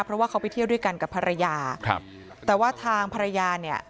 เพราะว่าเขาไปเที่ยวด้วยกันกับภรรยาครับแต่ว่าทางภรรยาเนี่ย